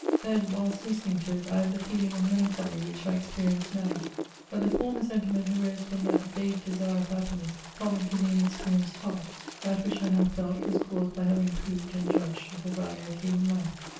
Then, whilst hstening to it, I had the feeling of melancholy which I experienced now ; hut the former sentiment arose from that vague desire of happiness common to the inexperienced heart; that which I now felt was caused hy having proved and judged of the value of human life.